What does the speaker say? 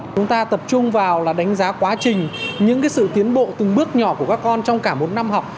chúng ta tập trung vào là đánh giá quá trình những sự tiến bộ từng bước nhỏ của các con trong cả bốn năm học